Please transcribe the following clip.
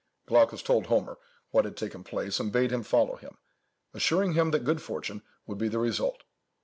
Glaucus told Homer what had taken place, and bade him follow him, assuring him that good fortune would be the result.